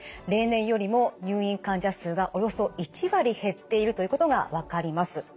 例年よりも入院患者数がおよそ１割減っているということが分かります。